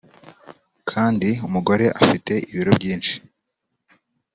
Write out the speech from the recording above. kandi umugore afite ibiro byinshi